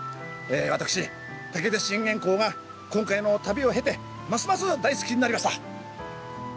私武田信玄公が今回の旅を経てますます大好きになりました。